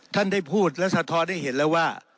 ท่านได้พูดและสะท้อนให้เห็นแล้วว่า